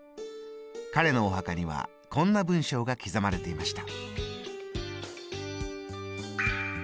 彼のお墓にはこんな文章が刻まれていました。